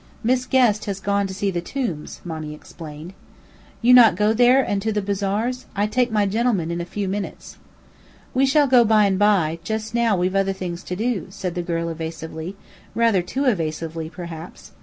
"Miss Guest has gone to see the tombs," Monny explained. "You not go there, and to the bazaars? I take my gen'lemen in a few minutes." "We shall go by and by; just now we've other things to do," said the girl evasively, rather too evasively, perhaps.